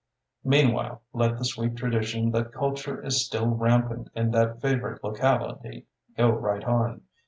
Meanwhile, let the sweet tradition that culture is still rampant in that favored locality go right on.